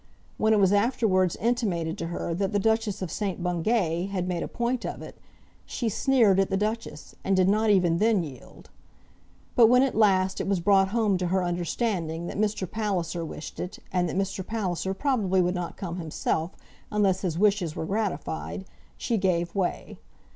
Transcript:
When it was afterwards intimated to her that the Duchess of St. Bungay had made a point of it, she sneered at the Duchess, and did not even then yield. But when at last it was brought home to her understanding that Mr. Palliser wished it, and that Mr. Palliser probably would not come himself unless his wishes were gratified, she gave way.